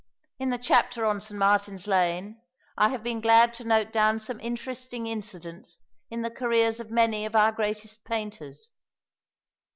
In the chapter on St. Martin's Lane I have been glad to note down some interesting incidents in the careers of many of our greatest painters.